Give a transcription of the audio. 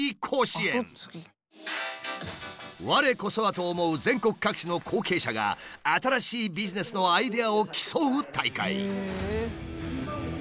我こそはと思う全国各地の後継者が新しいビジネスのアイデアを競う大会。